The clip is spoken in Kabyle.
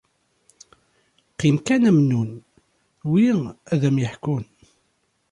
Qqim kan a Mennun, wi ad am-yeḥkun.